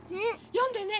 よんでね！